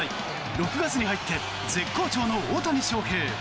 ６月に入って絶好調の大谷翔平。